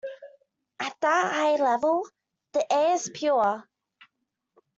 At that high level the air is pure.